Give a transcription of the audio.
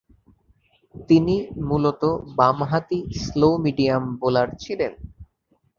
তিনি মূলতঃ বামহাতি স্লো-মিডিয়াম বোলার ছিলেন।